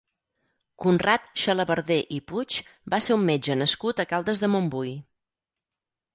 Conrad Xalabarder i Puig va ser un metge nascut a Caldes de Montbui.